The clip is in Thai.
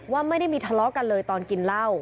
ว่าไม่ได้มีทะเลาะกันเลยตอนกินเหล้า